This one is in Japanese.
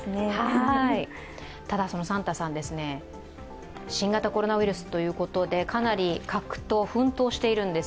ただ、そのサンタさん、新型コロナウイルスということでかなり奮闘しているんです。